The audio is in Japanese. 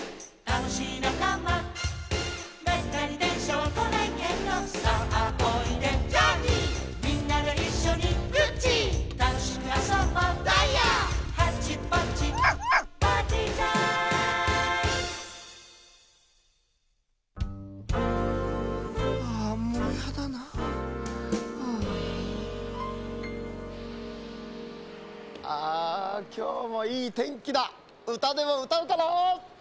うたでもうたうかな！